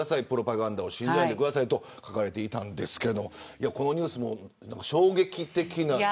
プロパガンダを信じないでくださいと書かれていたんですけれどもこのニュースも衝撃的な。